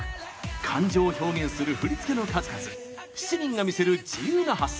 感情を表現する振付の数々７人がみせる自由な発想。